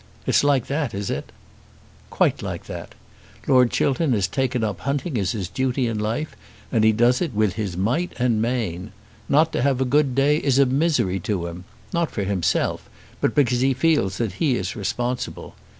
"It's like that; is it?" "Quite like that. Lord Chiltern has taken up hunting as his duty in life, and he does it with his might and main. Not to have a good day is a misery to him; not for himself but because he feels that he is responsible.